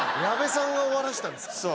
矢部さんが終わらしたんですか。